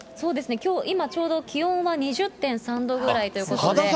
きょう、今、ちょうど気温は２０．３度ぐらいということで。